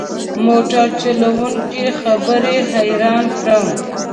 موټر چلوونکي خبرې حیران کړم.